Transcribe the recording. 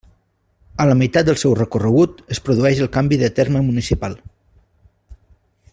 A la meitat del seu recorregut es produeix el canvi de terme municipal.